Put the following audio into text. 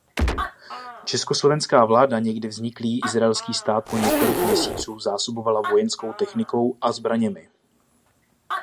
Československá vláda nově vzniklý izraelský stát po několik měsíců zásobovala vojenskou technikou a zbraněmi.